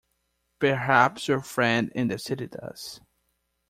Perhaps your friend in the city does.